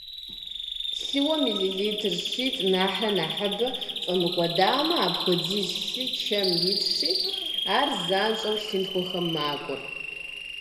Лъыуэ миллилитр щитӏ нэхърэ нэхъыбэ фӏэмыкӏуэдамэ, апхуэдиз лъы чэм итщи, ар занщӏэу лъынтхуэхэм макӏуэр.